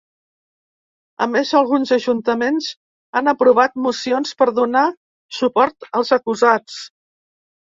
A més, alguns ajuntaments han aprovat mocions per donar suport als acusats.